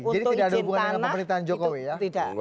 untuk izin tanah itu tidak